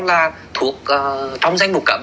là thuộc trong danh mục cẩm